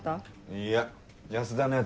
いや安田のヤツ